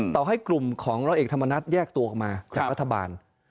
ต่อให้กลุ่มของร้อยเอกธรรมนัฐแยกตัวออกมาจากรัฐบาล